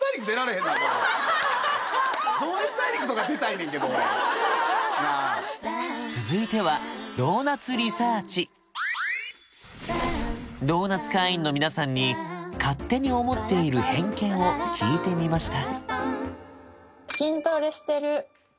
「情熱大陸」とか出たいねんけど俺続いてはドーナツ会員の皆さんに勝手に思っている偏見を聞いてみました